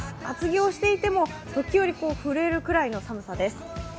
厚着をしていても時折、震えるくらいの寒さです。